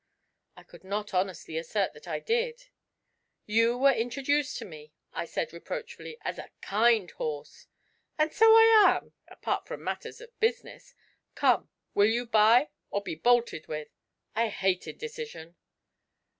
I could not honestly assert that I did. 'You were introduced to me,' I said reproachfully, 'as a kind horse!' 'And so I am apart from matters of business. Come, will you buy, or be bolted with? I hate indecision!'